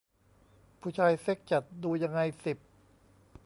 ผู้ชายเซ็กส์จัด ดูยังไง สิบ